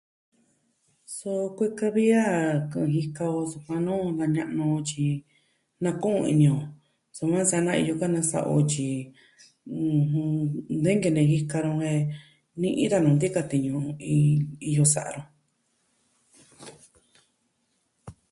Suu kueka vi a kɨ'ɨn jika o sukuan nuu na ña'nu tyi nakoo ini o. Soma sana iyo kuaa nasa o tyi, jɨn... de nkene jika nuu jen ni'i danu nti ka tiñu'u ii iyo sa'a nu.